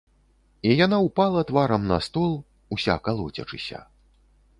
І яна ўпала тварам на стол, уся калоцячыся.